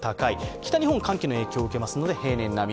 北日本、寒気の影響を受けますので平年並み。